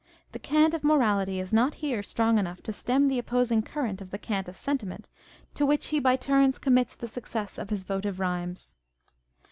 The cant of morality is not here strong enough to stem the opposing current of the cant of sentiment, to which he by turns commits the success of his votive rhymes.